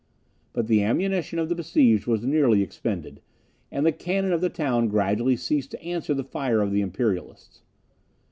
But the ammunition of the besieged was nearly expended, and the cannon of the town gradually ceased to answer the fire of the Imperialists.